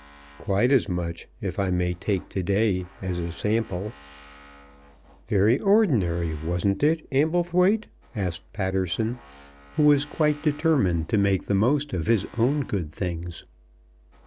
"Quite as much, if I may take to day as a sample." "Very ordinary; wasn't it, Amblethwaite?" asked Patterson, who was quite determined to make the most of his own good things.